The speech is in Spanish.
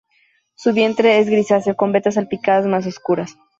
Su vientre es grisáceo con vetas salpicadas más oscuras.